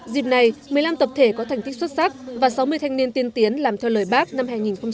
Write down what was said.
dịp này một mươi năm tập thể có thành tích xuất sắc và sáu mươi thanh niên tiên tiến làm theo lời bác năm hai nghìn một mươi chín